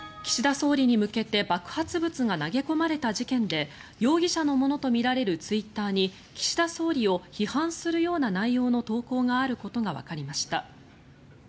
総理に向けて爆発物が投げ込まれた事件で容疑者のものとみられるツイッターに岸田総理を批判するような内容の投稿があることがわかりました。